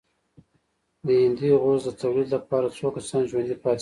د هندي غوز د تولید لپاره څو کسان ژوندي پاتې شول.